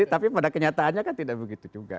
tapi pada kenyataannya kan tidak begitu juga